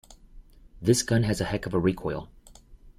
This gun has a heck of a recoil.